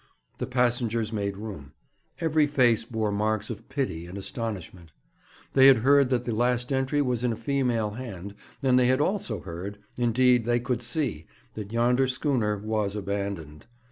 The passengers made room. Every face bore marks of pity and astonishment. They had heard that the last entry was in a female hand, and they had also heard indeed, they could see that yonder schooner was abandoned.